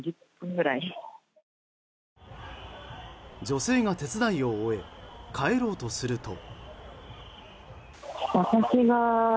女性が手伝いを終え帰ろうとすると。